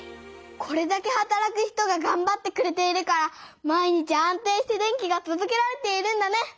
これだけはたらく人ががんばってくれているから毎日安定して電気がとどけられているんだね。